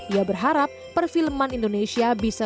ia berharap perfilman indonesia bisa